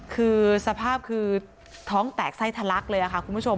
คือสภาพคือท้องแตกไส้ทะลักเลยค่ะคุณผู้ชม